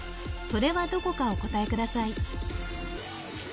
それはどこかお答えください